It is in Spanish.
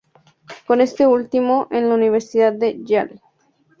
Con este último en la Universidad de Yale.